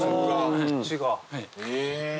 こっちが。